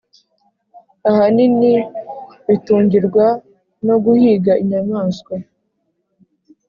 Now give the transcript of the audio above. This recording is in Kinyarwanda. ahanini bitungirwa no guhiga inyamaswa.